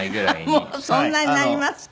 もうそんなになりますか。